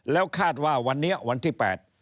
แล้วคาดว่าวันที่๘